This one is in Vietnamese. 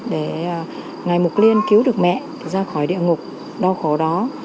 để ngày mục liên cứu được mẹ ra khỏi địa ngục đau khổ đó